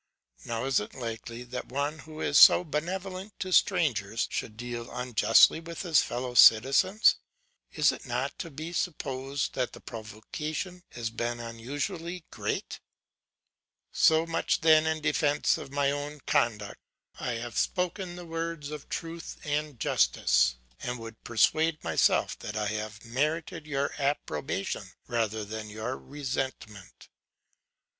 Now is it likely that one who is so benevolent to strangers should deal unjustly with his fellow citizens? is it not to be supposed that the provocation has been unusually great? 'So much then in defence of my own conduct; I have spoken the words of truth and justice, and would persuade myself that I have merited your approbation rather than your resentment.